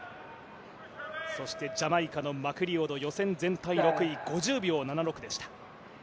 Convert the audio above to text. そしてジャマイカのマクリオド、予選全体６位５０秒７６でした。